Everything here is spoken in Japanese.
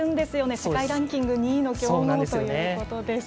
世界ランキング２位の強豪ということです。